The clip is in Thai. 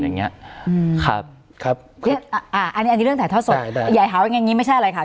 อันนี้เรื่องถ่ายทอดสดใหญ่หาวังยังงี้ไม่ใช่อะไรค่ะ